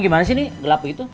gimana sih ini gelap gitu